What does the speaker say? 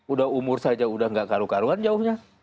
udah umur saja udah gak karu karuan jauhnya